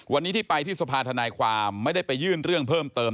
วันนี้ที่ไปที่สภาธนายความไม่ได้ไปยื่นเรื่องเพิ่มเติม